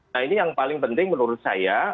nah ini yang paling penting menurut saya